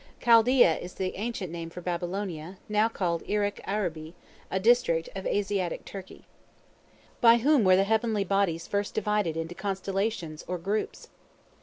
Chaldea is the ancient name for Babylonia, now called Irak Arabi, a district of Asiatic Turkey. By whom were the heavenly bodies first divided into Constellations or groups?